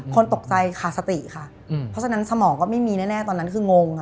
คนตกใจขาดสติค่ะเพราะฉะนั้นสมองก็ไม่มีแน่ตอนนั้นคืองง